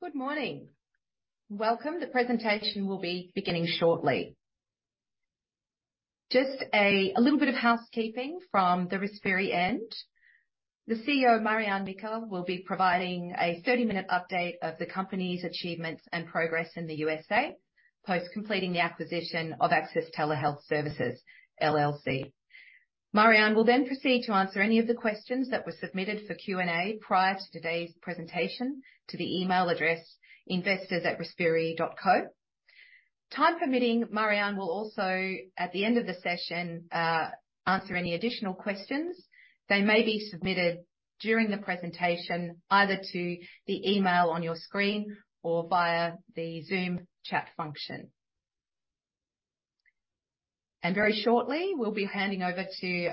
Good morning. Welcome! The presentation will be beginning shortly. Just a little bit of housekeeping from the Respiri end. The CEO, Marjan Mikel, will be providing a 30-minute update of the company's achievements and progress in the USA post-completing the acquisition of Access Telehealth Services LLC. Marjan will then proceed to answer any of the questions that were submitted for Q&A prior to today's presentation to the email address, investors@respiri.com. Time permitting, Marjan will also, at the end of the session, answer any additional questions. They may be submitted during the presentation, either to the email on your screen or via the Zoom chat function. Very shortly, we'll be handing over to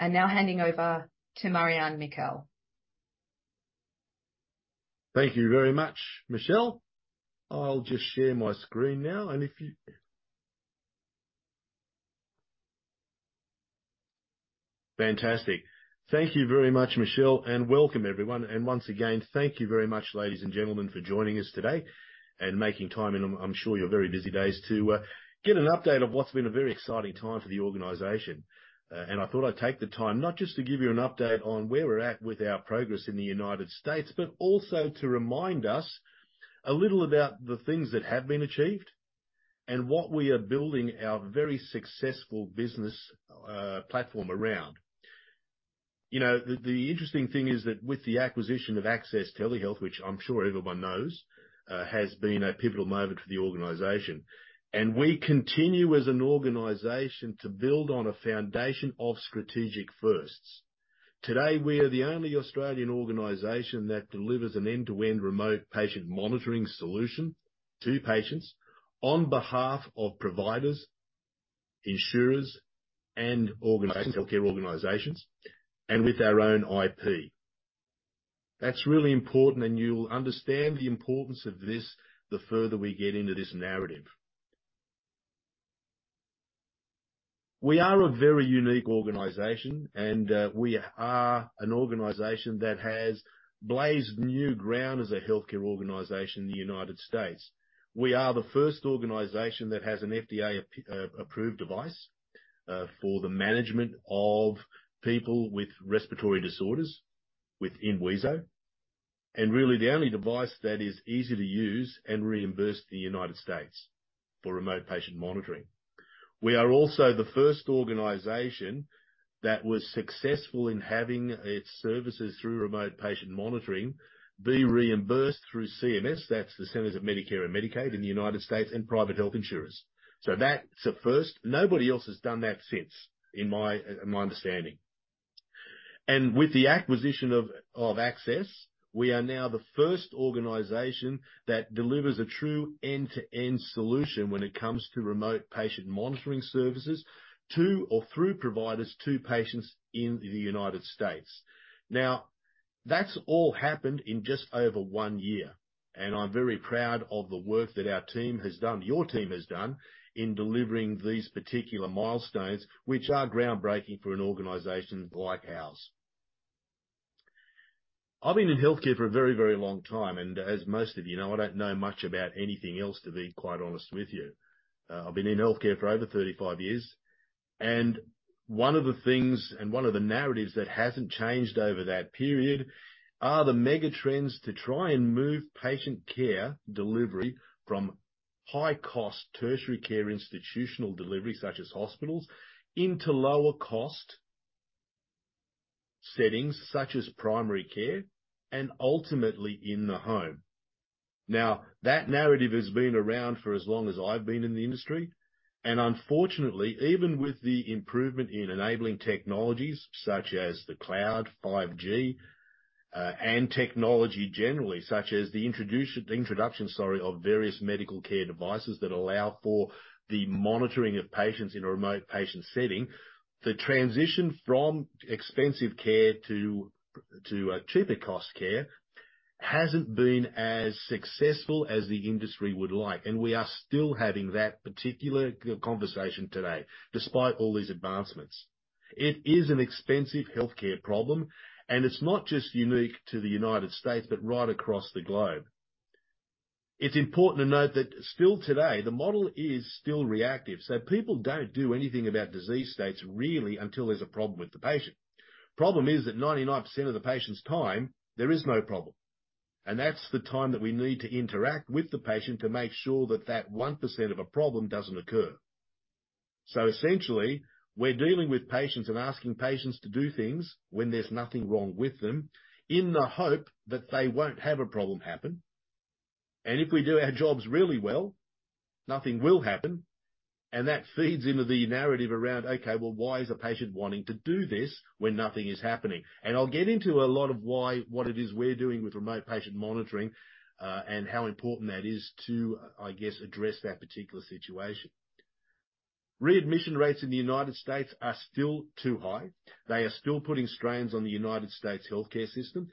Marjan Mikel. Now handing over to Marjan Mikel. Thank you very much, Michelle. I'll just share my screen now, and if you. Fantastic. Thank you very much, Michelle, and welcome everyone. Once again, thank you very much, ladies and gentlemen, for joining us today and making time in, I'm sure your very busy days to get an update on what's been a very exciting time for the organization. I thought I'd take the time not just to give you an update on where we're at with our progress in the United States, but also to remind us a little about the things that have been achieved and what we are building our very successful business platform around. You know, the interesting thing is that with the acquisition of Access Telehealth, which I'm sure everyone knows, has been a pivotal moment for the organization. We continue, as an organization, to build on a foundation of strategic firsts. Today, we are the only Australian organization that delivers an end-to-end remote patient monitoring solution to patients on behalf of providers, insurers, and healthcare organizations, and with our own IP. That's really important, and you'll understand the importance of this the further we get into this narrative. We are a very unique organization, and we are an organization that has blazed new ground as a healthcare organization in the United States. We are the first organization that has an FDA approved device for the management of people with respiratory disorders, with wheezo, and really the only device that is easy to use and reimbursed in the United States for remote patient monitoring. We are also the first organization that was successful in having its services through remote patient monitoring, be reimbursed through CMS, that's the Centers for Medicare and Medicaid in the United States, and private health insurers. So that's a first. Nobody else has done that since, in my, in my understanding. And with the acquisition of, of Access, we are now the first organization that delivers a true end-to-end solution when it comes to remote patient monitoring services to or through providers to patients in the United States. Now, that's all happened in just over one year, and I'm very proud of the work that our team has done, your team has done, in delivering these particular milestones, which are groundbreaking for an organization like ours. I've been in healthcare for a very, very long time, and as most of you know, I don't know much about anything else, to be quite honest with you. I've been in healthcare for over 35 years, and one of the things and one of the narratives that hasn't changed over that period are the mega trends to try and move patient care delivery from high-cost tertiary care institutional delivery, such as hospitals, into lower cost settings such as primary care and ultimately in the home. Now, that narrative has been around for as long as I've been in the industry, and unfortunately, even with the improvement in enabling technologies such as the cloud, 5G, and technology generally, such as the introduction of various medical care devices that allow for the monitoring of patients in a remote patient setting, the transition from expensive care to cheaper cost care hasn't been as successful as the industry would like, and we are still having that particular conversation today, despite all these advancements. It is an expensive healthcare problem, and it's not just unique to the United States, but right across the globe. It's important to note that still today, the model is still reactive, so people don't do anything about disease states really until there's a problem with the patient. Problem is that 99% of the patient's time, there is no problem, and that's the time that we need to interact with the patient to make sure that that 1% of a problem doesn't occur. So essentially, we're dealing with patients and asking patients to do things when there's nothing wrong with them, in the hope that they won't have a problem happen. And if we do our jobs really well, nothing will happen, and that feeds into the narrative around, okay, well, why is a patient wanting to do this when nothing is happening? And I'll get into a lot of why, what it is we're doing with remote patient monitoring, and how important that is to, I guess, address that particular situation. Readmission rates in the United States are still too high. They are still putting strains on the United States healthcare system,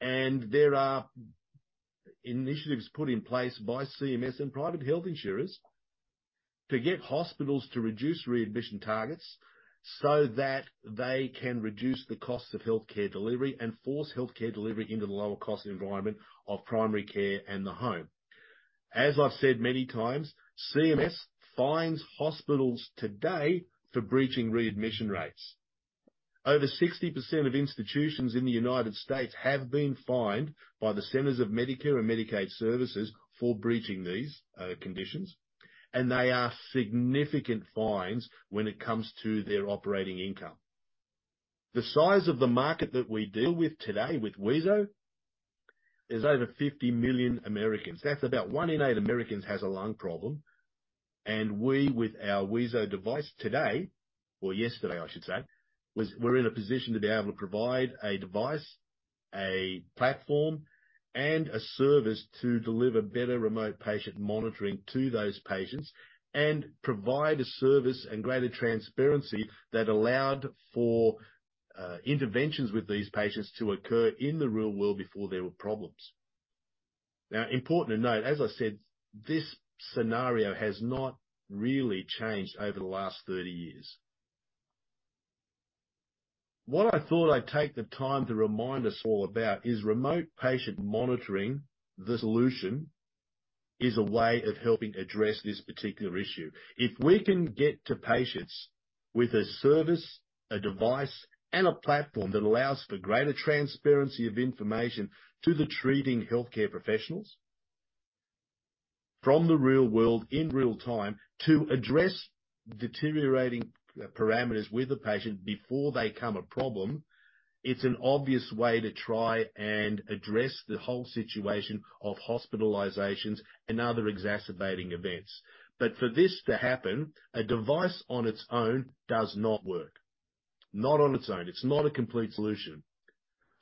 and there are initiatives put in place by CMS and private health insurers to get hospitals to reduce readmission targets, so that they can reduce the cost of healthcare delivery and force healthcare delivery into the lower cost environment of primary care and the home. As I've said many times, CMS fines hospitals today for breaching readmission rates. Over 60% of institutions in the United States have been fined by the Centers for Medicare and Medicaid Services for breaching these conditions, and they are significant fines when it comes to their operating income. The size of the market that we deal with today, with wheezo, is over 50 million Americans. That's about one in eight Americans has a lung problem, and we, with our wheezo device today, or yesterday, I should say, we're in a position to be able to provide a device, a platform, and a service to deliver better remote patient monitoring to those patients, and provide a service and greater transparency that allowed for interventions with these patients to occur in the real world before there were problems. Now, important to note, as I said, this scenario has not really changed over the last 30 years. What I thought I'd take the time to remind us all about is remote patient monitoring. The solution is a way of helping address this particular issue. If we can get to patients with a service, a device, and a platform that allows for greater transparency of information to the treating healthcare professionals from the real world in real time, to address deteriorating parameters with the patient before they become a problem, it's an obvious way to try and address the whole situation of hospitalizations and other exacerbating events. But for this to happen, a device on its own does not work. Not on its own. It's not a complete solution.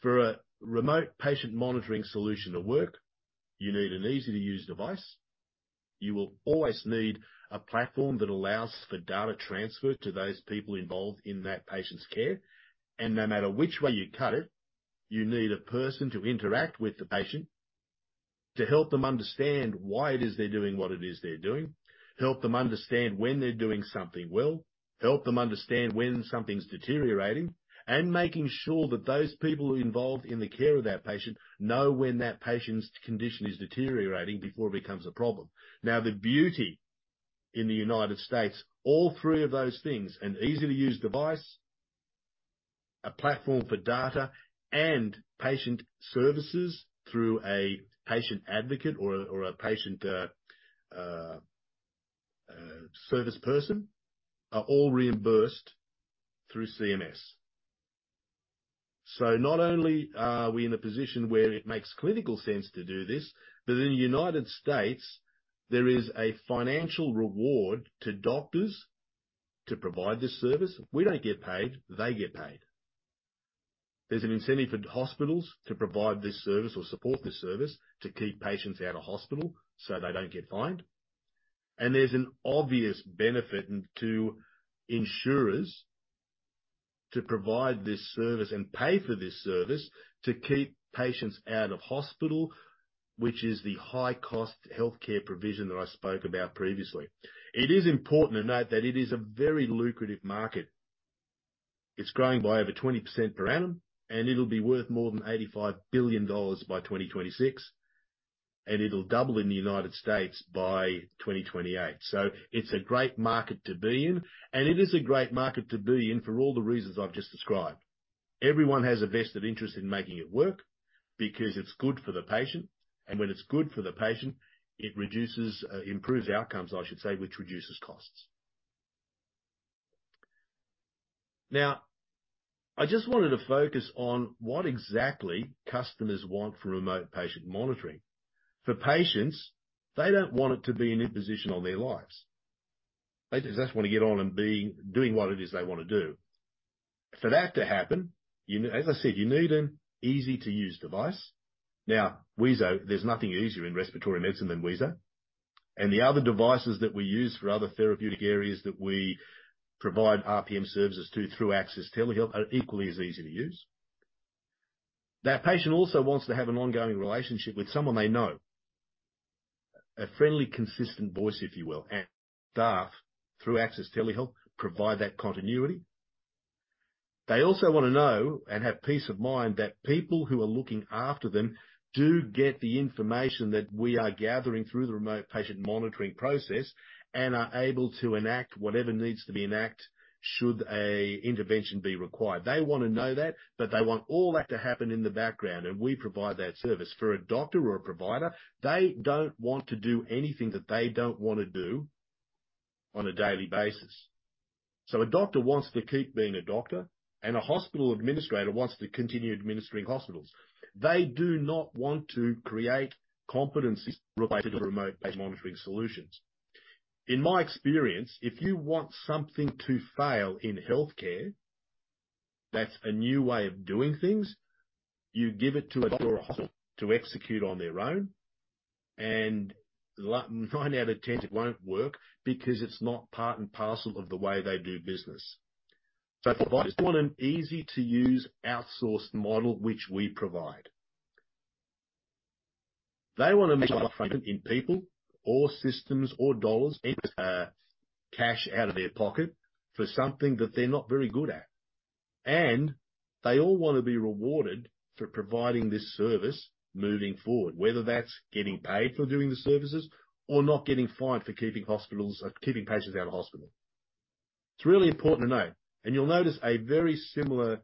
For a remote patient monitoring solution to work, you need an easy-to-use device. You will always need a platform that allows for data transfer to those people involved in that patient's care, and no matter which way you cut it, you need a person to interact with the patient, to help them understand why it is they're doing what it is they're doing. Help them understand when they're doing something well. Help them understand when something's deteriorating, and making sure that those people involved in the care of that patient know when that patient's condition is deteriorating before it becomes a problem. Now, the beauty in the United States, all three of those things, an easy-to-use device, a platform for data, and patient services through a patient advocate or a, or a patient, service person, are all reimbursed through CMS. So not only are we in a position where it makes clinical sense to do this, but in the United States, there is a financial reward to doctors to provide this service. We don't get paid, they get paid. There's an incentive for hospitals to provide this service or support this service to keep patients out of hospital so they don't get fined. There's an obvious benefit to insurers to provide this service and pay for this service to keep patients out of hospital, which is the high-cost healthcare provision that I spoke about previously. It is important to note that it is a very lucrative market. It's growing by over 20% per annum, and it'll be worth more than $85 billion by 2026, and it'll double in the United States by 2028. It's a great market to be in, and it is a great market to be in for all the reasons I've just described. Everyone has a vested interest in making it work, because it's good for the patient, and when it's good for the patient, it reduces, improves outcomes, I should say, which reduces costs. Now, I just wanted to focus on what exactly customers want from remote patient monitoring. For patients, they don't want it to be an imposition on their lives. They just want to get on and be doing what it is they want to do. For that to happen, as I said, you need an easy-to-use device. Now, wheezo, there's nothing easier in respiratory medicine than wheezo, and the other devices that we use for other therapeutic areas that we provide RPM services to through Access Telehealth are equally as easy to use. That patient also wants to have an ongoing relationship with someone they know. A friendly, consistent voice, if you will, and staff through Access Telehealth provide that continuity. They also want to know and have peace of mind that people who are looking after them do get the information that we are gathering through the remote patient monitoring process, and are able to enact whatever needs to be enacted should an intervention be required. They want to know that, but they want all that to happen in the background, and we provide that service. For a doctor or a provider, they don't want to do anything that they don't want to do on a daily basis. So a doctor wants to keep being a doctor, and a hospital administrator wants to continue administering hospitals. They do not want to create competencies related to remote patient monitoring solutions. In my experience, if you want something to fail in healthcare, that's a new way of doing things, you give it to a doctor or a hospital to execute on their own, and nine out of ten, it won't work because it's not part and parcel of the way they do business. So providers want an easy-to-use, outsourced model, which we provide. They want to make sure they're not in people or systems or dollars, cash out of their pocket for something that they're not very good at. And they all want to be rewarded for providing this service moving forward, whether that's getting paid for doing the services or not getting fined for keeping patients out of hospital. It's really important to note, and you'll notice a very similar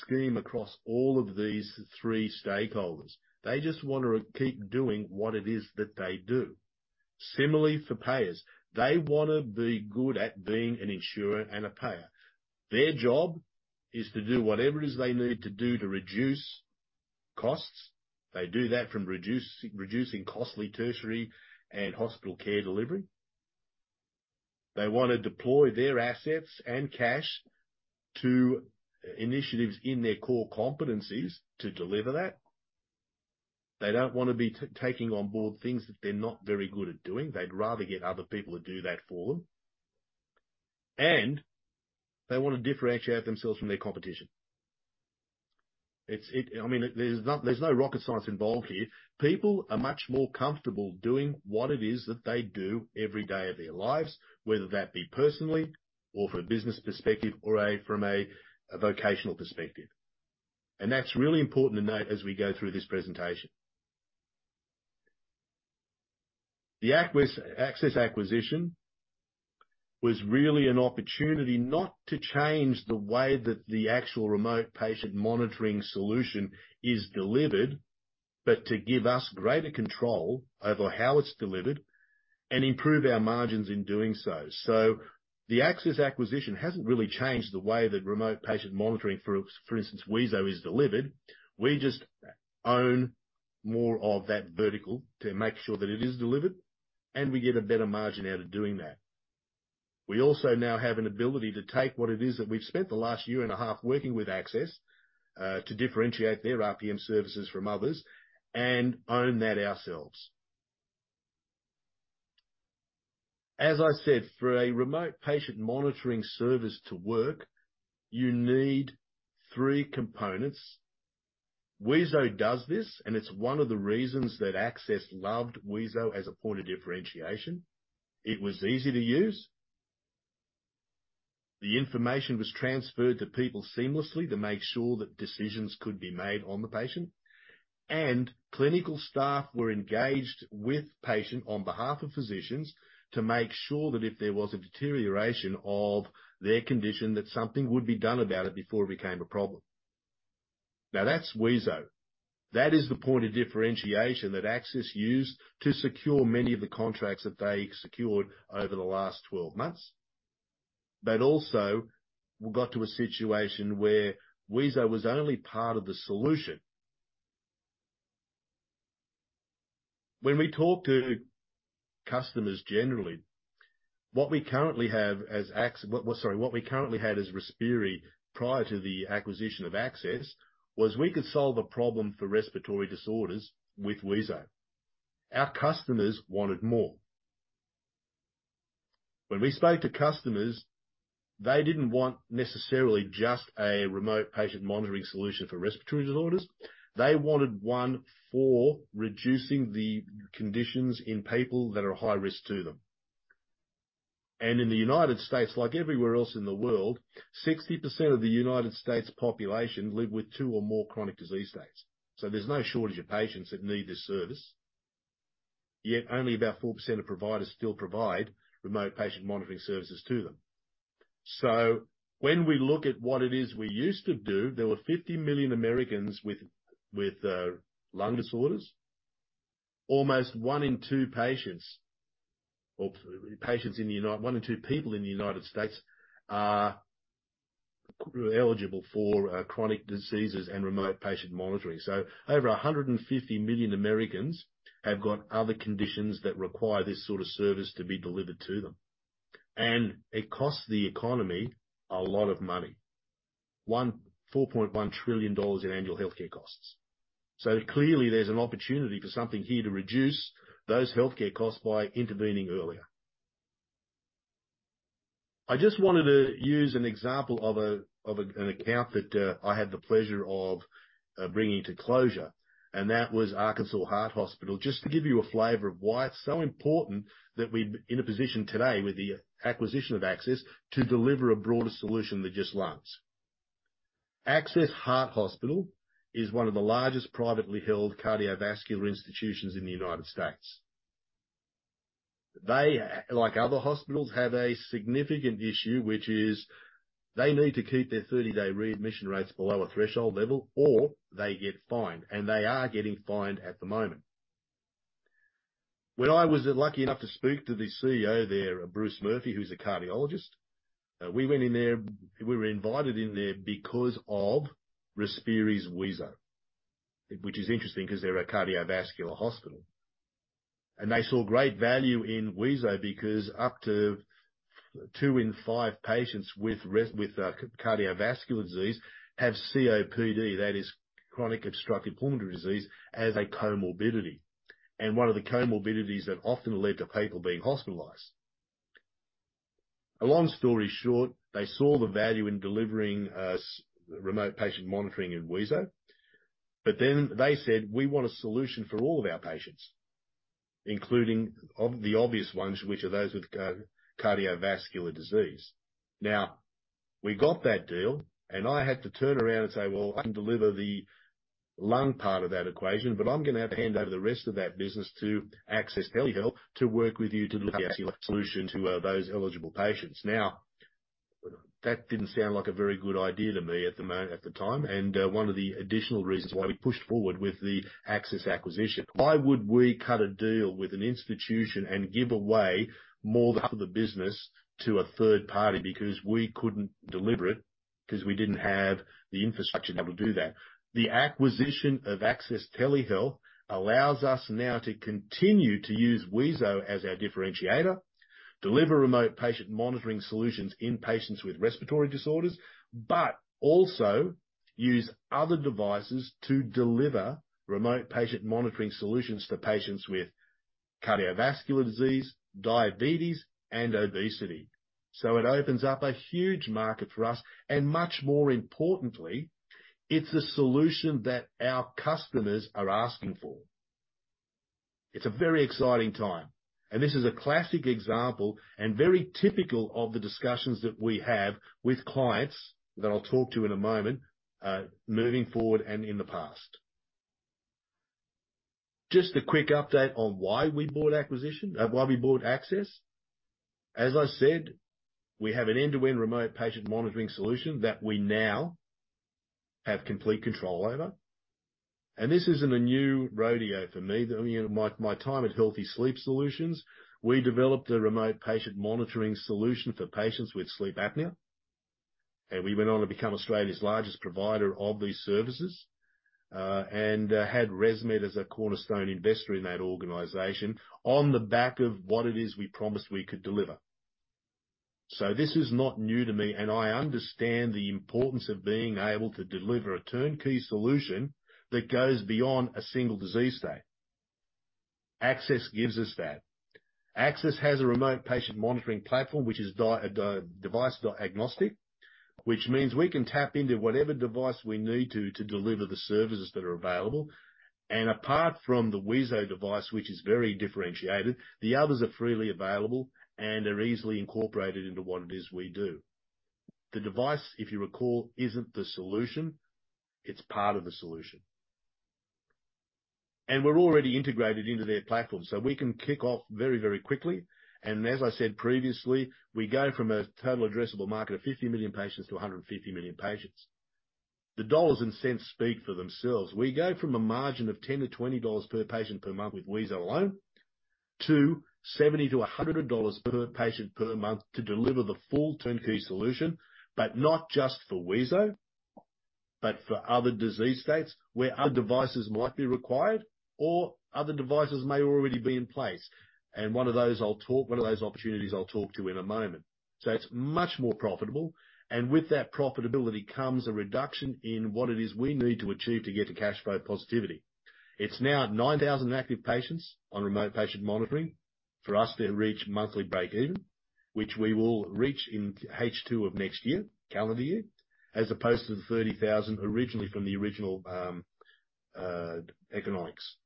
scheme across all of these three stakeholders. They just want to keep doing what it is that they do. Similarly, for payers, they want to be good at being an insurer and a payer. Their job is to do whatever it is they need to do to reduce costs. They do that from reducing costly tertiary and hospital care delivery. They want to deploy their assets and cash to initiatives in their core competencies to deliver that. They don't want to be taking on board things that they're not very good at doing. They'd rather get other people to do that for them, and they want to differentiate themselves from their competition. I mean, there's no rocket science involved here. People are much more comfortable doing what it is that they do every day of their lives, whether that be personally or from a business perspective or from a vocational perspective. That's really important to note as we go through this presentation. The Access acquisition was really an opportunity not to change the way that the actual remote patient monitoring solution is delivered, but to give us greater control over how it's delivered and improve our margins in doing so. The Access acquisition hasn't really changed the way that remote patient monitoring, for instance, wheezo, is delivered. We just own more of that vertical to make sure that it is delivered, and we get a better margin out of doing that. We also now have an ability to take what it is that we've spent the last year and a half working with Access to differentiate their RPM services from others and own that ourselves. As I said, for a remote patient monitoring service to work, you need three components. wheezo does this, and it's one of the reasons that Access loved wheezo as a point of differentiation. It was easy to use. The information was transferred to people seamlessly to make sure that decisions could be made on the patient, and clinical staff were engaged with patient on behalf of physicians to make sure that if there was a deterioration of their condition, that something would be done about it before it became a problem. Now, that's wheezo. That is the point of differentiation that Access used to secure many of the contracts that they secured over the last 12 months. But also, we got to a situation where wheezo was only part of the solution. When we talk to customers generally, what we currently have as Access... sorry, what we currently had as Respiri, prior to the acquisition of Access, was we could solve a problem for respiratory disorders with wheezo. Our customers wanted more. When we spoke to customers, they didn't want necessarily just a remote patient monitoring solution for respiratory disorders. They wanted one for reducing the conditions in people that are high risk to them. And in the United States, like everywhere else in the world, 60% of the United States population live with two or more chronic disease states. So there's no shortage of patients that need this service, yet only about 4% of providers still provide remote patient monitoring services to them. So when we look at what it is we used to do, there were 50 million Americans with lung disorders. Almost one in two people in the United States are eligible for chronic diseases and remote patient monitoring. So over 150 million Americans have got other conditions that require this sort of service to be delivered to them. And it costs the economy a lot of money. $4.1 trillion in annual healthcare costs. So clearly, there's an opportunity for something here to reduce those healthcare costs by intervening earlier. I just wanted to use an example of an account that I had the pleasure of bringing to closure, and that was Arkansas Heart Hospital. Just to give you a flavor of why it's so important that we're in a position today with the acquisition of Access, to deliver a broader solution than just lungs. Arkansas Heart Hospital is one of the largest privately held cardiovascular institutions in the United States. They, like other hospitals, have a significant issue, which is they need to keep their 30-day readmission rates below a threshold level, or they get fined, and they are getting fined at the moment. When I was lucky enough to speak to the CEO there, Bruce Murphy, who's a cardiologist, we went in there. We were invited in there because of Respiri's wheezo, which is interesting because they're a cardiovascular hospital. And they saw great value in wheezo because up to two in five patients with cardiovascular disease have COPD, that is chronic obstructive pulmonary disease, as a comorbidity, and one of the comorbidities that often lead to people being hospitalized. A long story short, they saw the value in delivering remote patient monitoring in wheezo, but then they said, "We want a solution for all of our patients, including the obvious ones, which are those with cardiovascular disease." Now, we got that deal, and I had to turn around and say, "Well, I can deliver the lung part of that equation, but I'm gonna have to hand over the rest of that business to Access Telehealth to work with you to look at a solution to those eligible patients." Now, that didn't sound like a very good idea to me at the time, and one of the additional reasons why we pushed forward with the Access acquisition. Why would we cut a deal with an institution and give away more of the business to a third party? Because we couldn't deliver it, because we didn't have the infrastructure to be able to do that. The acquisition of Access Telehealth allows us now to continue to use wheezo as our differentiator, deliver remote patient monitoring solutions in patients with respiratory disorders, but also use other devices to deliver remote patient monitoring solutions for patients with cardiovascular disease, diabetes, and obesity. So it opens up a huge market for us, and much more importantly, it's the solution that our customers are asking for. It's a very exciting time, and this is a classic example, and very typical of the discussions that we have with clients, that I'll talk to in a moment, moving forward and in the past. Just a quick update on why we bought acquisition, why we bought Access. As I said, we have an end-to-end remote patient monitoring solution that we now have complete control over. This isn't a new rodeo for me. I mean, my time at Healthy Sleep Solutions, we developed a remote patient monitoring solution for patients with sleep apnea, and we went on to become Australia's largest provider of these services, and had ResMed as a cornerstone investor in that organization, on the back of what it is we promised we could deliver. This is not new to me, and I understand the importance of being able to deliver a turnkey solution that goes beyond a single disease state. Access gives us that. Access has a remote patient monitoring platform, which is device diagnostic, which means we can tap into whatever device we need to, to deliver the services that are available. Apart from the wheezo device, which is very differentiated, the others are freely available, and they're easily incorporated into what it is we do. The device, if you recall, isn't the solution, it's part of the solution. We're already integrated into their platform, so we can kick off very, very quickly. As I said previously, we go from a total addressable market of 50 million patients to 150 million patients. The dollars and cents speak for themselves. We go from a margin of $10-$20 per patient per month with wheezo alone, to $70-$100 per patient per month to deliver the full turnkey solution, but not just for wheezo, but for other disease states, where other devices might be required or other devices may already be in place. One of those opportunities, I'll talk to in a moment. So it's much more profitable, and with that profitability comes a reduction in what it is we need to achieve to get to cash flow positivity. It's now 9,000 active patients on remote patient monitoring for us to reach monthly break even, which we will reach in H2 of next year, calendar year, as opposed to the 30,000 originally from the original economics.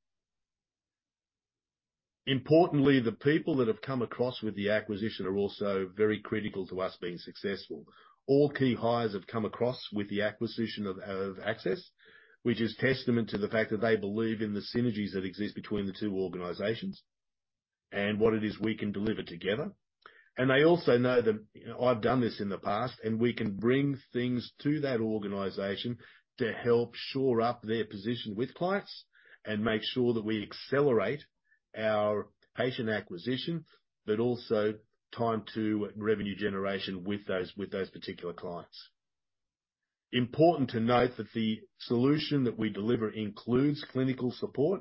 Importantly, the people that have come across with the acquisition are also very critical to us being successful. All key hires have come across with the acquisition of Access, which is testament to the fact that they believe in the synergies that exist between the two organizations and what it is we can deliver together. They also know that, you know, I've done this in the past, and we can bring things to that organization to help shore up their position with clients and make sure that we accelerate our patient acquisition, but also time to revenue generation with those, with those particular clients. Important to note that the solution that we deliver includes clinical support,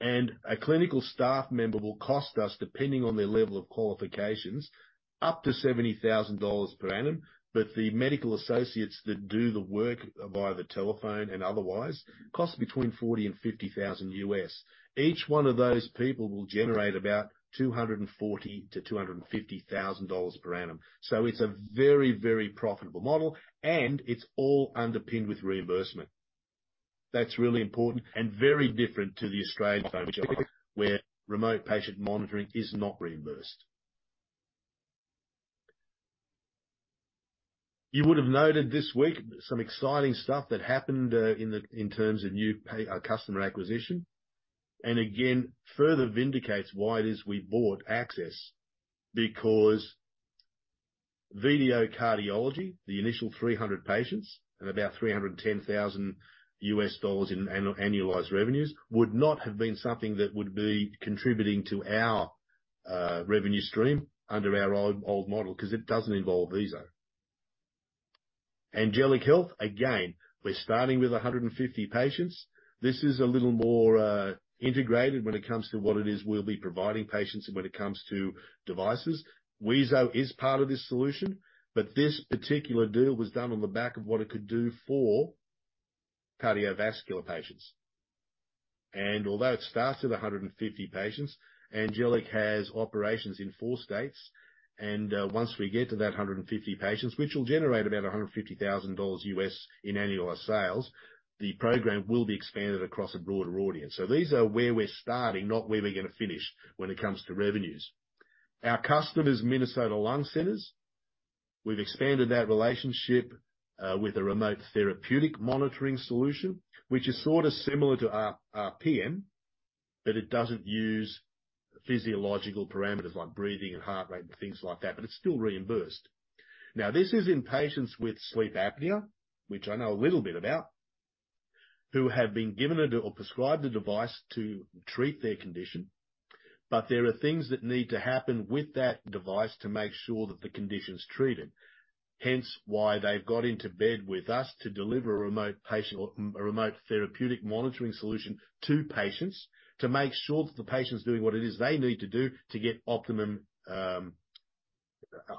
and a clinical staff member will cost us, depending on their level of qualifications, up to $70,000 per annum. But the medical associates that do the work, via the telephone and otherwise, cost between $40,000-$50,000 U.S. Each one of those people will generate about $240,000-$250,000 per annum. So it's a very, very profitable model, and it's all underpinned with reimbursement. That's really important and very different to the Australian phone job, where remote patient monitoring is not reimbursed. You would have noted this week some exciting stuff that happened in terms of new customer acquisition, and again, further vindicates why it is we bought Access. Because VDO Cardiology, the initial 300 patients and about $310,000 in annualized revenues, would not have been something that would be contributing to our revenue stream under our old model, because it doesn't involve wheezo. Angelic Health, again, we're starting with 150 patients. This is a little more integrated when it comes to what it is we'll be providing patients when it comes to devices. wheezo is part of this solution, but this particular deal was done on the back of what it could do for cardiovascular patients. Although it starts with 150 patients, Angelic has operations in four states, and once we get to that 150 patients, which will generate about $150,000 in annualized sales, the program will be expanded across a broader audience. So these are where we're starting, not where we're gonna finish when it comes to revenues. Our customers, Minnesota Lung Center, we've expanded that relationship with a remote therapeutic monitoring solution, which is sort of similar to our RPM, but it doesn't use physiological parameters like breathing and heart rate and things like that, but it's still reimbursed. Now, this is in patients with sleep apnea, which I know a little bit about, who have been given or prescribed the device to treat their condition. But there are things that need to happen with that device to make sure that the condition's treated. Hence, why they've got into bed with us to deliver a remote patient or a remote therapeutic monitoring solution to patients, to make sure that the patient's doing what it is they need to do to get optimum,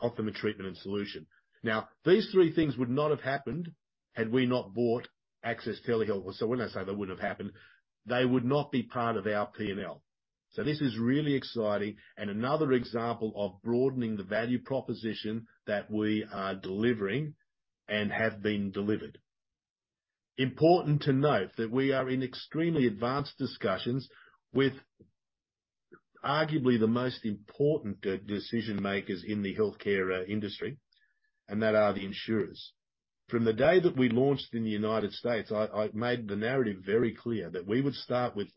optimum treatment and solution. Now, these three things would not have happened had we not bought Access Telehealth. So when I say they wouldn't have happened, they would not be part of our P&L. So this is really exciting and another example of broadening the value proposition that we are delivering and have been delivered. Important to note that we are in extremely advanced discussions with arguably the most important decision makers in the healthcare industry, and that are the insurers. From the day that we launched in the United States, I made the narrative very clear that we would start with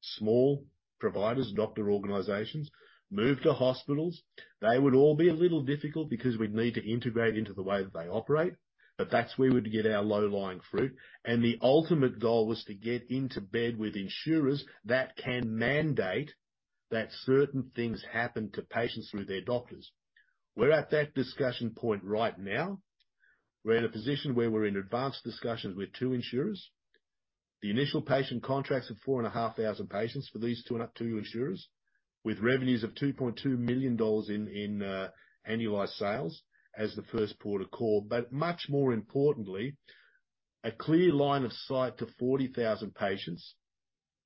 small providers, doctor organizations, move to hospitals. They would all be a little difficult because we'd need to integrate into the way that they operate, but that's where we'd get our low-lying fruit. The ultimate goal was to get into bed with insurers that can mandate that certain things happen to patients through their doctors. We're at that discussion point right now. We're in a position where we're in advanced discussions with two insurers. The initial patient contracts of 4,500 patients for these two insurers, with revenues of $2.2 million in annualized sales as the first port of call. But much more importantly, a clear line of sight to 40,000 patients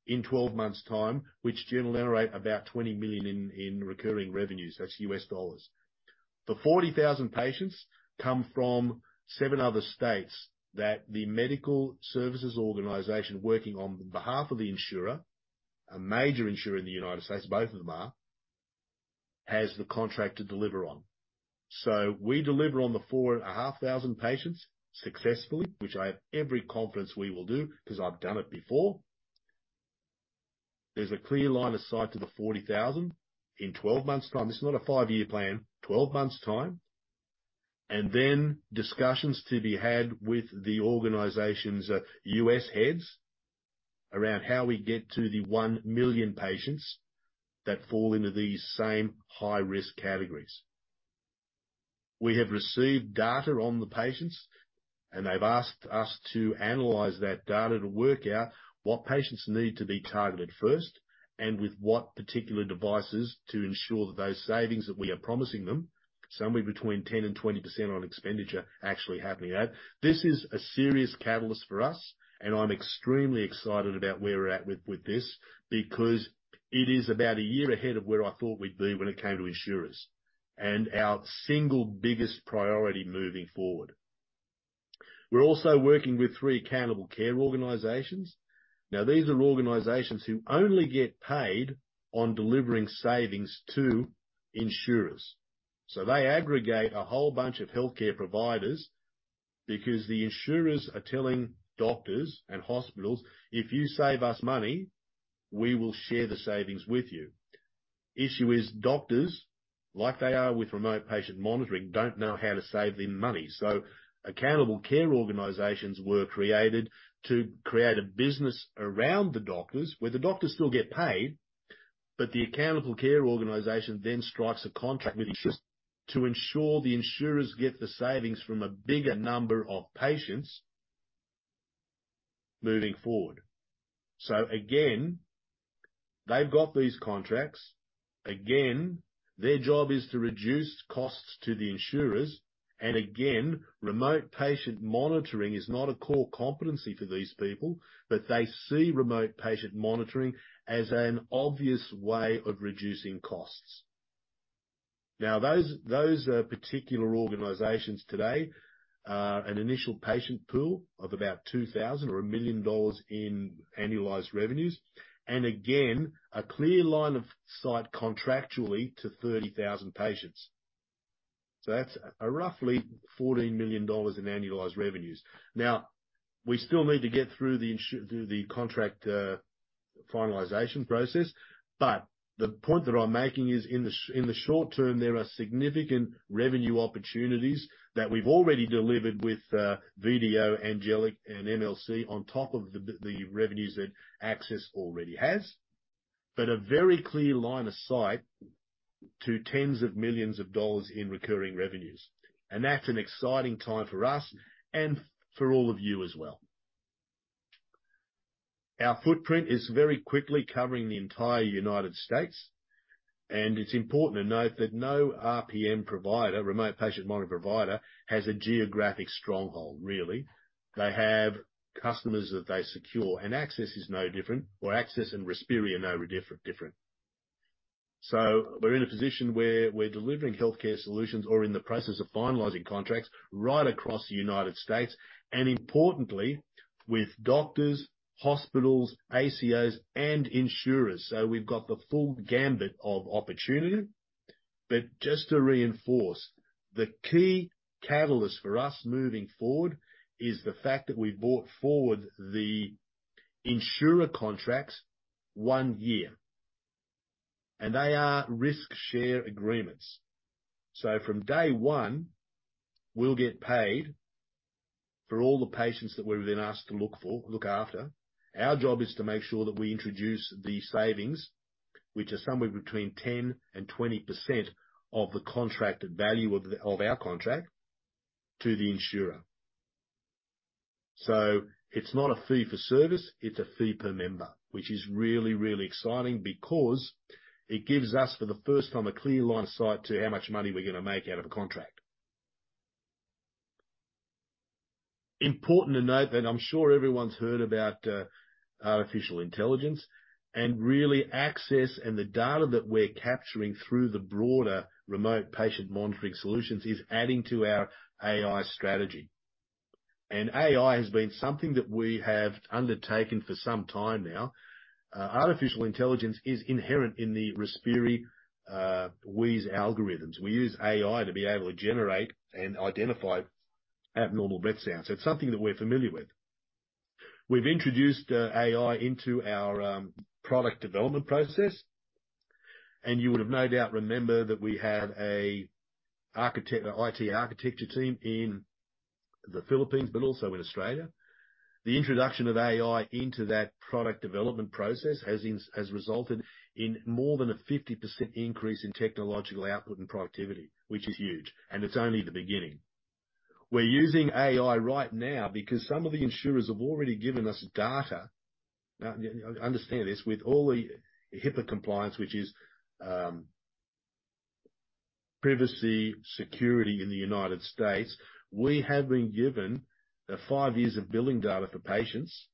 in 12 months' time, which generate about $20 million in recurring revenues, that's US dollars. The 40,000 patients come from 7 other states that the medical services organization working on behalf of the insurer, a major insurer in the United States, both of them are, has the contract to deliver on. So we deliver on the 4,500 patients successfully, which I have every confidence we will do, because I've done it before. There's a clear line of sight to the 40,000 in 12 months' time. This is not a 5-year plan, 12 months' time. And then, discussions to be had with the organization's U.S. heads around how we get to the 1 million patients that fall into these same high-risk categories. We have received data on the patients, and they've asked us to analyze that data to work out what patients need to be targeted first, and with what particular devices to ensure that those savings that we are promising them, somewhere between 10%-20% on expenditure, actually happening out. This is a serious catalyst for us, and I'm extremely excited about where we're at with this, because it is about a year ahead of where I thought we'd be when it came to insurers, and our single biggest priority moving forward. We're also working with 3 Accountable Care Organizations. Now, these are organizations who only get paid on delivering savings to insurers. So they aggregate a whole bunch of healthcare providers. Because the insurers are telling doctors and hospitals: "If you save us money, we will share the savings with you." Issue is, doctors, like they are with remote patient monitoring, don't know how to save them money. So Accountable Care Organizations were created to create a business around the doctors, where the doctors still get paid, but the Accountable Care Organization then strikes a contract with insurers to ensure the insurers get the savings from a bigger number of patients moving forward. So again, they've got these contracts. Again, their job is to reduce costs to the insurers. And again, remote patient monitoring is not a core competency for these people, but they see remote patient monitoring as an obvious way of reducing costs. Now, those particular organizations today, an initial patient pool of about 2,000 or $1 million in annualized revenues. And again, a clear line of sight contractually to 30,000 patients. So that's roughly $14 million in annualized revenues. Now, we still need to get through the contract finalization process, but the point that I'm making is, in the short term, there are significant revenue opportunities that we've already delivered with VDO, Angelic, and MLC, on top of the revenues that Access already has. But a very clear line of sight to tens of millions of dollars in recurring revenues. And that's an exciting time for us and for all of you as well. Our footprint is very quickly covering the entire United States, and it's important to note that no RPM provider, remote patient monitoring provider, has a geographic stronghold, really. They have customers that they secure, and Access is no different, or Access and Respiri are no different. So we're in a position where we're delivering healthcare solutions or in the process of finalizing contracts right across the United States, and importantly, with doctors, hospitals, ACOs, and insurers. So we've got the full gamut of opportunity. But just to reinforce, the key catalyst for us moving forward is the fact that we've brought forward the insurer contracts 1 year, and they are risk-share agreements. So from day one, we'll get paid for all the patients that we've been asked to look for, look after. Our job is to make sure that we introduce the savings, which are somewhere between 10%-20% of the contracted value of the, of our contract to the insurer. So it's not a fee for service, it's a fee per member, which is really, really exciting because it gives us, for the first time, a clear line of sight to how much money we're gonna make out of a contract. Important to note, and I'm sure everyone's heard about artificial intelligence, and really, Access and the data that we're capturing through the broader remote patient monitoring solutions is adding to our AI strategy. And AI has been something that we have undertaken for some time now. Artificial intelligence is inherent in the Respiri wheeze algorithms. We use AI to be able to generate and identify abnormal breath sounds. It's something that we're familiar with. We've introduced AI into our product development process, and you would have no doubt remembered that we had an IT architecture team in the Philippines, but also in Australia. The introduction of AI into that product development process has resulted in more than a 50% increase in technological output and productivity, which is huge, and it's only the beginning. We're using AI right now because some of the insurers have already given us data. Now, understand this, with all the HIPAA compliance, which is, privacy security in the United States, we have been given the five years of billing data for patients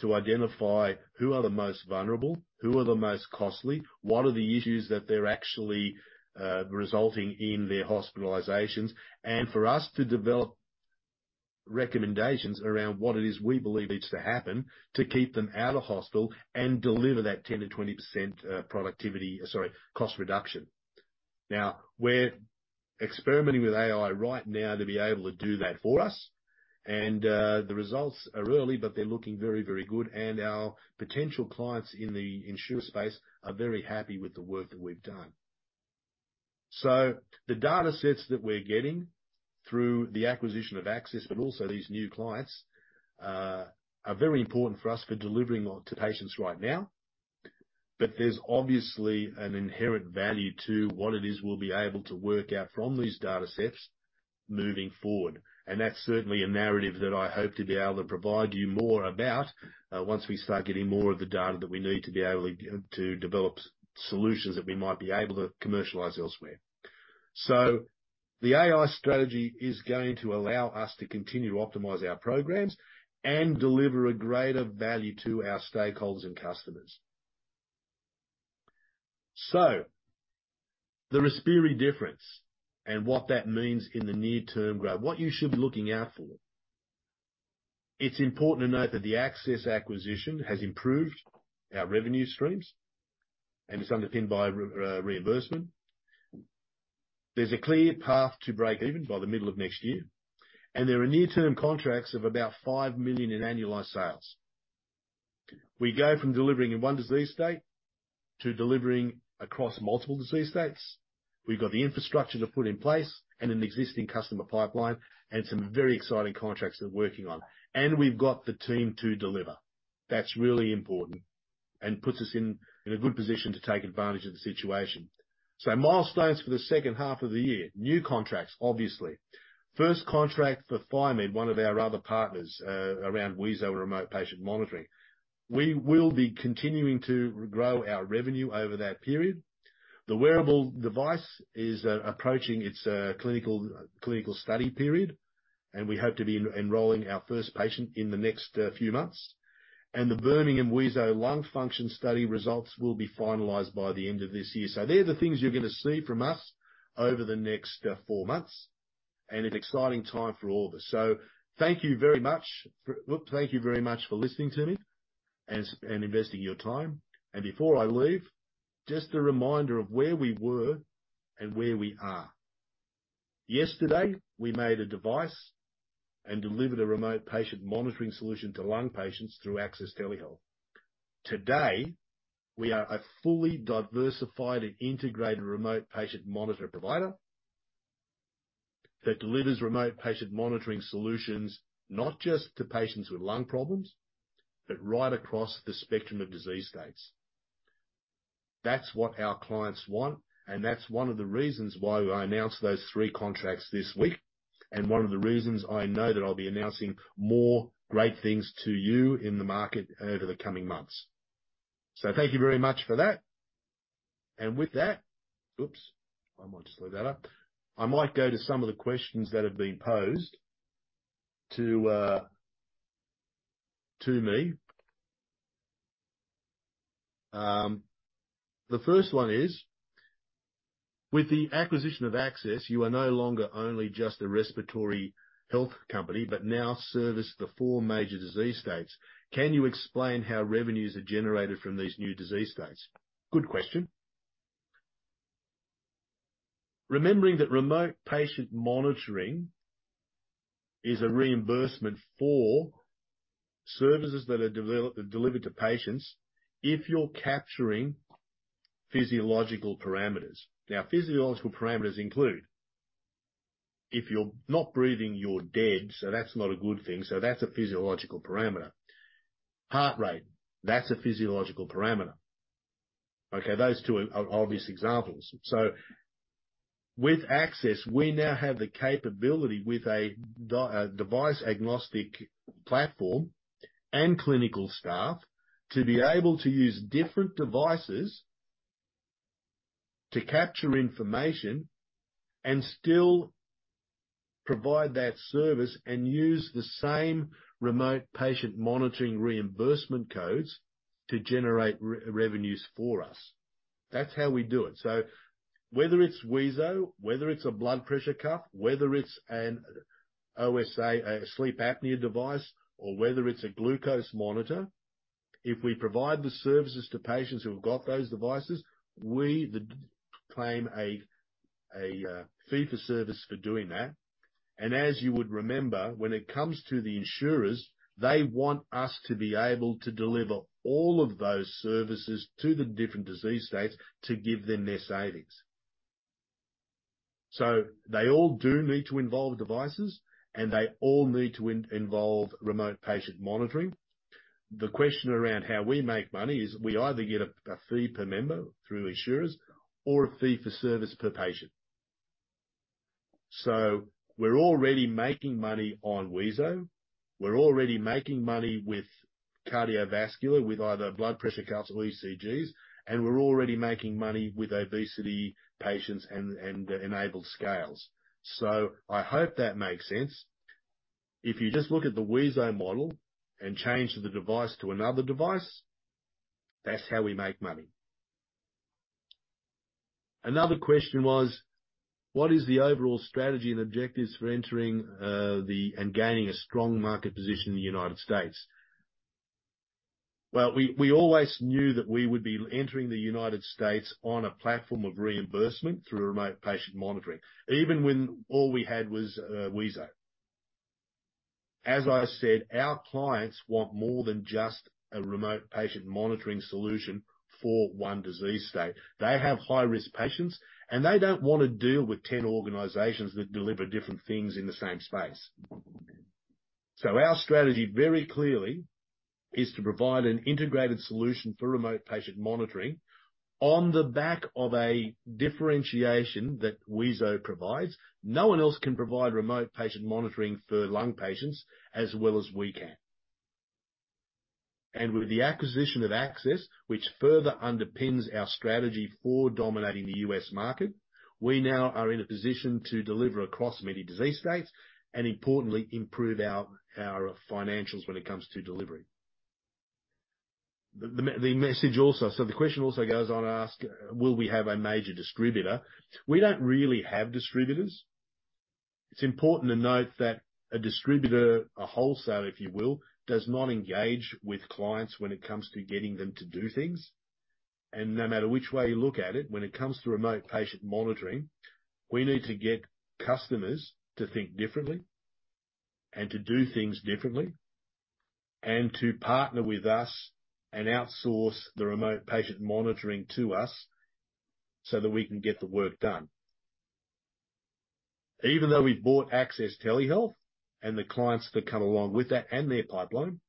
to identify who are the most vulnerable, who are the most costly, what are the issues that they're actually resulting in their hospitalizations, and for us to develop recommendations around what it is we believe needs to happen to keep them out of hospital and deliver that 10%-20%, productivity... Sorry, cost reduction. Now, we're experimenting with AI right now to be able to do that for us, and, the results are early, but they're looking very, very good, and our potential clients in the insurer space are very happy with the work that we've done. The data sets that we're getting through the acquisition of Access, but also these new clients, are very important for us for delivering on to patients right now. But there's obviously an inherent value to what it is we'll be able to work out from these data sets moving forward. That's certainly a narrative that I hope to be able to provide you more about, once we start getting more of the data that we need to be able to, to develop solutions that we might be able to commercialize elsewhere. The AI strategy is going to allow us to continue to optimize our programs and deliver a greater value to our stakeholders and customers. The Respiri difference and what that means in the near term, grab what you should be looking out for. It's important to note that the Access acquisition has improved our revenue streams, and is underpinned by reimbursement. There's a clear path to break even by the middle of next year, and there are near-term contracts of about $5 million in annualized sales. We go from delivering in one disease state, to delivering across multiple disease states. We've got the infrastructure to put in place and an existing customer pipeline, and some very exciting contracts we're working on. We've got the team to deliver. That's really important, and puts us in a good position to take advantage of the situation. Milestones for the second half of the year: new contracts, obviously. First contract for ViMed, one of our other partners, around wheezo remote patient monitoring. We will be continuing to grow our revenue over that period. The wearable device is approaching its clinical study period, and we hope to be enrolling our first patient in the next few months. The Birmingham wheezo lung function study results will be finalized by the end of this year. They're the things you're going to see from us over the next four months, and an exciting time for all of us. Thank you very much for listening to me and investing your time. Before I leave, just a reminder of where we were and where we are. Yesterday, we made a device and delivered a remote patient monitoring solution to lung patients through Access Telehealth. Today, we are a fully diversified and integrated remote patient monitoring provider, that delivers remote patient monitoring solutions, not just to patients with lung problems, but right across the spectrum of disease states. That's what our clients want, and that's one of the reasons why I announced those three contracts this week, and one of the reasons I know that I'll be announcing more great things to you in the market over the coming months. So thank you very much for that. And with that... Oops! I might just slow that up. I might go to some of the questions that have been posed to, to me. The first one is: With the acquisition of Access, you are no longer only just a respiratory health company, but now service the four major disease states. Can you explain how revenues are generated from these new disease states? Good question. Remembering that remote patient monitoring is a reimbursement for services that are delivered to patients, if you're capturing physiological parameters. Now, physiological parameters include, if you're not breathing, you're dead, so that's not a good thing, so that's a physiological parameter. Heart rate, that's a physiological parameter. Okay, those two are obvious examples. So with Access, we now have the capability with a device agnostic platform and clinical staff, to be able to use different devices to capture information, and still provide that service and use the same remote patient monitoring reimbursement codes to generate revenues for us. That's how we do it. So whether it's wheezo, whether it's a blood pressure cuff, whether it's an OSA, a sleep apnea device, or whether it's a glucose monitor, if we provide the services to patients who have got those devices, we claim a fee for service for doing that. And as you would remember, when it comes to the insurers, they want us to be able to deliver all of those services to the different disease states to give them their savings. So they all do need to involve devices, and they all need to involve remote patient monitoring. The question around how we make money is, we either get a fee per member through insurers, or a fee for service per patient. So we're already making money on wheezo. We're already making money with cardiovascular, with either blood pressure cuffs or ECGs, and we're already making money with obesity patients and enabled scales. I hope that makes sense. If you just look at the wheezo model and change the device to another device, that's how we make money. Another question was: What is the overall strategy and objectives for entering and gaining a strong market position in the United States? Well, we, we always knew that we would be entering the United States on a platform of reimbursement through remote patient monitoring, even when all we had was wheezo. As I said, our clients want more than just a remote patient monitoring solution for one disease state. They have high-risk patients, and they don't want to deal with 10 organizations that deliver different things in the same space. So our strategy, very clearly, is to provide an integrated solution for remote patient monitoring on the back of a differentiation that wheezo provides. No one else can provide remote patient monitoring for lung patients as well as we can. And with the acquisition of Access, which further underpins our strategy for dominating the U.S. market, we now are in a position to deliver across many disease states, and importantly, improve our financials when it comes to delivery. The message also, so the question also goes on to ask, will we have a major distributor? We don't really have distributors. It's important to note that a distributor, a wholesaler, if you will, does not engage with clients when it comes to getting them to do things. No matter which way you look at it, when it comes to remote patient monitoring, we need to get customers to think differently, and to do things differently, and to partner with us and outsource the remote patient monitoring to us, so that we can get the work done. Even though we've bought Access Telehealth, and the clients that come along with that and their pipeline,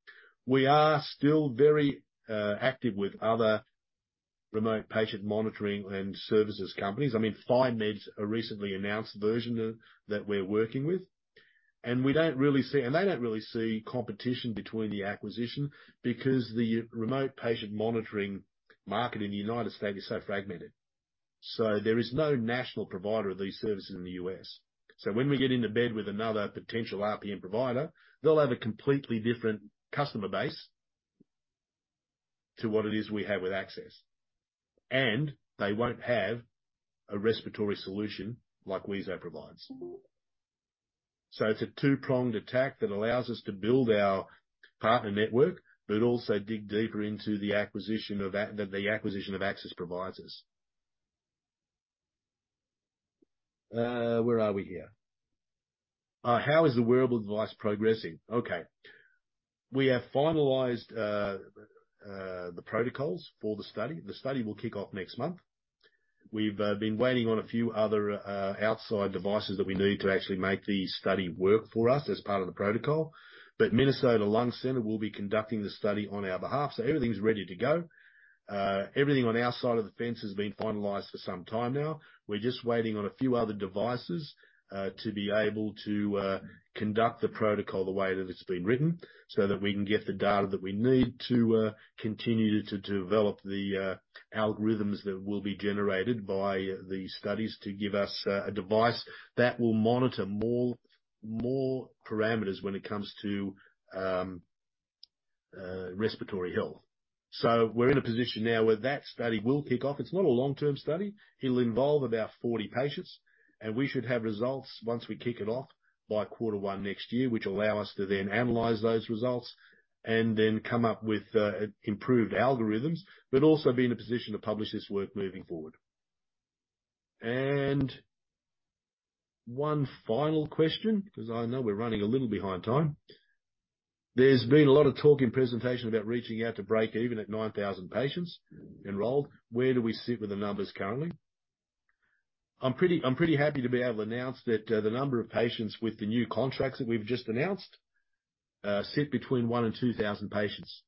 we are still very active with other remote patient monitoring and services companies. I mean, VieMed, a recently announced version of that we're working with. We don't really see, and they don't really see competition between the acquisition, because the remote patient monitoring market in the United States is so fragmented. So there is no national provider of these services in the US. So when we get into bed with another potential RPM provider, they'll have a completely different customer base to what it is we have with Access. And they won't have a respiratory solution like wheezo provides. So it's a two-pronged attack that allows us to build our partner network, but also dig deeper into the acquisition of Access providers. Where are we here? How is the wearable device progressing? Okay. We have finalized the protocols for the study. The study will kick off next month. We've been waiting on a few other outside devices that we need to actually make the study work for us as part of the protocol. But Minnesota Lung Center will be conducting the study on our behalf, so everything's ready to go. Everything on our side of the fence has been finalized for some time now. We're just waiting on a few other devices to be able to conduct the protocol the way that it's been written, so that we can get the data that we need to continue to develop the algorithms that will be generated by the studies to give us a device that will monitor more parameters when it comes to respiratory health. So we're in a position now where that study will kick off. It's not a long-term study. It'll involve about 40 patients, and we should have results once we kick it off by quarter one next year, which will allow us to then analyze those results and then come up with improved algorithms, but also be in a position to publish this work moving forward. And one final question, because I know we're running a little behind time. There's been a lot of talk in presentation about reaching out to break even at 9,000 patients enrolled. Where do we sit with the numbers currently? I'm pretty, I'm pretty happy to be able to announce that, the number of patients with the new contracts that we've just announced, sit between 1,000 and 2,000 patients.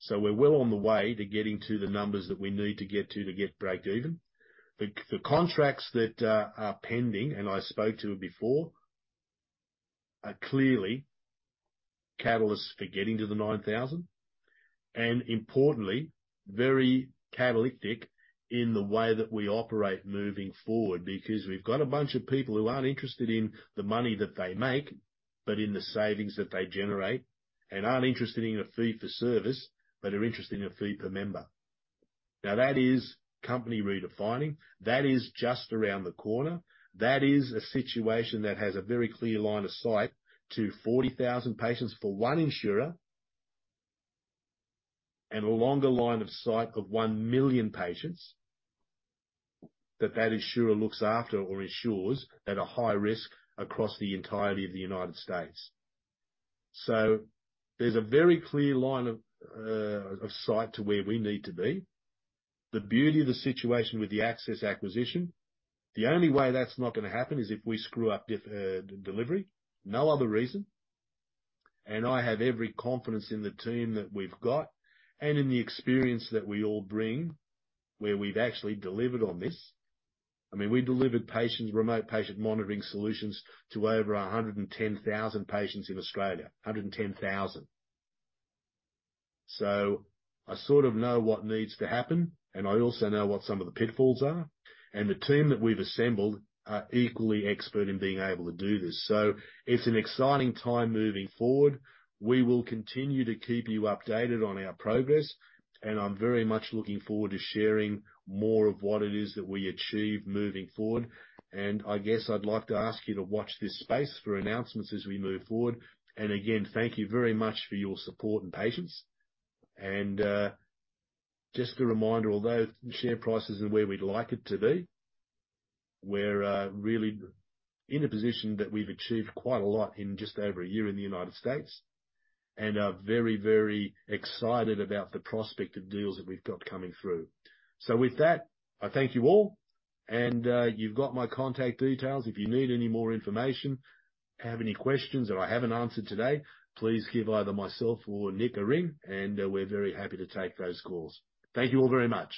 So we're well on the way to getting to the numbers that we need to get to, to get break even. The contracts that are pending, and I spoke to it before, are clearly catalysts for getting to the 9,000, and importantly, very catalytic in the way that we operate moving forward. Because we've got a bunch of people who aren't interested in the money that they make, but in the savings that they generate. And aren't interested in a fee for service, but are interested in a fee per member. Now, that is company redefining. That is just around the corner. That is a situation that has a very clear line of sight to 40,000 patients for one insurer, and a longer line of sight of 1,000,000 patients that that insurer looks after or insures at a high risk across the entirety of the United States. So there's a very clear line of sight to where we need to be. The beauty of the situation with the Access acquisition, the only way that's not gonna happen is if we screw up delivery. No other reason. And I have every confidence in the team that we've got, and in the experience that we all bring, where we've actually delivered on this. I mean, we delivered patients remote patient monitoring solutions to over 110,000 patients in Australia. 110,000. So I sort of know what needs to happen, and I also know what some of the pitfalls are, and the team that we've assembled are equally expert in being able to do this. So it's an exciting time moving forward. We will continue to keep you updated on our progress, and I'm very much looking forward to sharing more of what it is that we achieve moving forward. And I guess I'd like to ask you to watch this space for announcements as we move forward. And again, thank you very much for your support and patience. Just a reminder, although the share price isn't where we'd like it to be, we're really in a position that we've achieved quite a lot in just over a year in the United States, and are very, very excited about the prospect of deals that we've got coming through. With that, I thank you all, and you've got my contact details. If you need any more information, have any questions that I haven't answered today, please give either myself or Nick a ring, and we're very happy to take those calls. Thank you all very much.